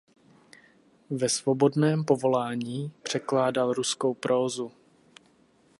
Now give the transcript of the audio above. Ve svobodném povolání překládal ruskou prózu.